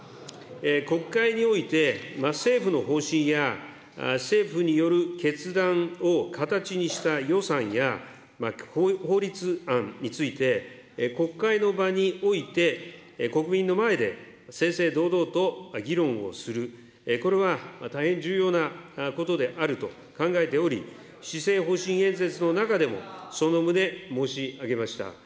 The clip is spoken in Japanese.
国会において、政府の方針や政府による決断を形にした予算や法律案について、国会の場において国民の前で正々堂々と議論をする、これは大変重要なことであると考えており、施政方針演説の中でもその旨申し上げました。